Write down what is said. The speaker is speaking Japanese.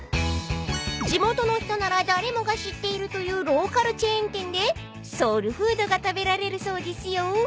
［地元の人なら誰もが知っているというローカルチェーン店でソウルフードが食べられるそうですよ］